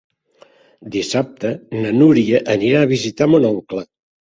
Dissabte na Núria anirà a visitar mon oncle.